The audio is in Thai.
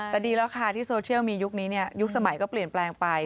แต่ดีแล้วค่ะที่โซเชียลมียุคนี้ยุคสมัยก็เปลี่ยนแปลงไป